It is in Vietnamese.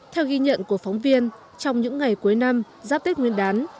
theo ghi nhận của phóng viên trong những ngày cuối năm giáp tết nguyên đán